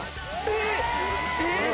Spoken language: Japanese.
えっ！